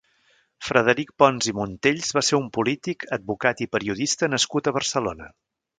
Frederic Pons i Montells va ser un polític, advocat i periodista nascut a Barcelona.